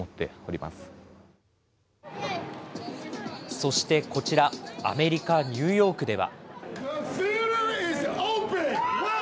そしてこちら、アメリカ・ニューヨークでは。